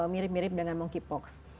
mirip mirip dengan monkeypox